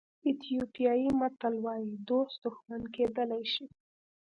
ایتیوپیایي متل وایي دوست دښمن کېدلی شي.